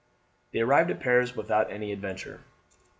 They arrived at Paris without any adventure.